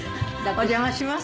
お邪魔します。